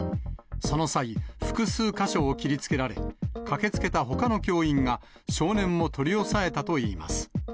その際、複数箇所を切りつけられ、駆けつけたほかの教員が、少年を取り押さえたといいます。